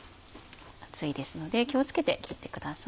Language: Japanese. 熱いですので気を付けて切ってください。